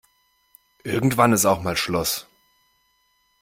Irgendwann ist auch mal Schluss.